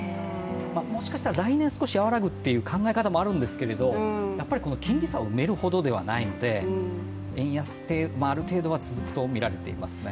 もしかしたら、来年少し和らぐという考え方もあるんですけど、やっぱり金利差を埋めるほどではないので円安、ある程度は続くとみられていますね。